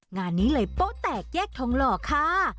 งานนี้เลยโป๊แตกแยกทองหล่อค่ะ